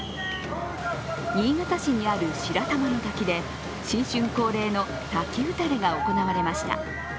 新潟市にある白玉の滝で新春恒例の滝打たれが行われました。